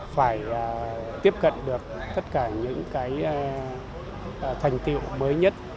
phải tiếp cận được tất cả những cái thành tiệu mới nhất